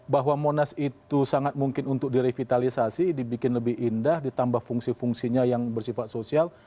bahwa monas itu sangat mungkin untuk direvitalisasi dibikin lebih indah ditambah fungsi fungsinya yang bersifat sosial